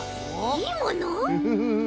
いいもの？